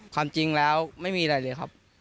ความจริงแล้วไม่มีอะไรเลยครับ